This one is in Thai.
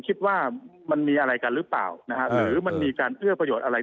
คิดว่ามันมีอะไรกันหรือเปล่านะฮะหรือมันมีการเอื้อประโยชน์อะไร